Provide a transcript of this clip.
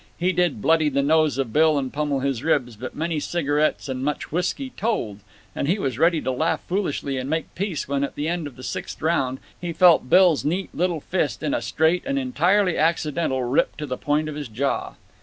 He did bloody the nose of Bill and pummel his ribs, but many cigarettes and much whisky told, and he was ready to laugh foolishly and make peace when, at the end of the sixth round, he felt Bill's neat little fist in a straight—and entirely accidental—rip to the point of his jaw.